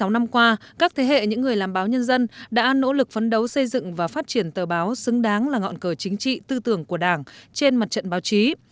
sáu mươi năm qua các thế hệ những người làm báo nhân dân đã nỗ lực phấn đấu xây dựng và phát triển tờ báo xứng đáng là ngọn cờ chính trị tư tưởng của đảng trên mặt trận báo chí